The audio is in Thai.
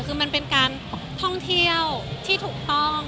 คือมันเป็นการท่องเที่ยวที่ถูกต้อง